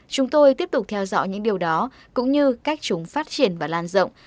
chúng tôi tiếp tục theo dõi những điều đó cũng như cách chúng phát triển và lan rộng